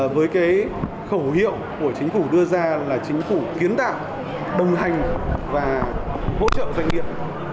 với cái khẩu hiệu của chính phủ đưa ra là chính phủ kiến tạo đồng hành và hỗ trợ doanh nghiệp